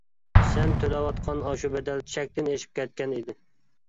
سەن تۆلەۋاتقان ئاشۇ بەدەل چەكتىن ئېشىپ كەتكەن ئىدى.